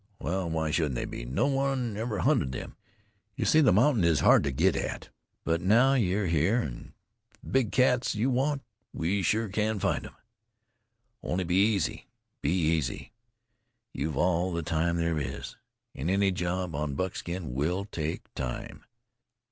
Well, why shouldn't they be? No one ever hunted them. You see, the mountain is hard to get at. But now you're here, if it's big cats you want we sure can find them. Only be easy, be easy. You've all the time there is. An' any job on Buckskin will take time.